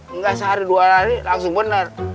enggak sehari dua hari langsung benar